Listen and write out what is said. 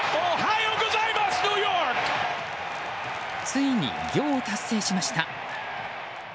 ついに偉業を達成しました。